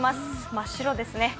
真っ白ですね。